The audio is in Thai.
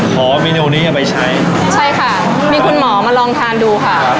ขอเมนูนี้เอาไปใช้ใช่ค่ะมีคุณหมอมาลองทานดูค่ะ